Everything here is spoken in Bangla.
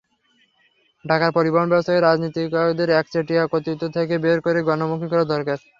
ঢাকার পরিবহনব্যবস্থাকে রাজনীতিকদের একচেটিয়া কর্তৃত্ব থেকে বের করে গণমুখী করা দরকার।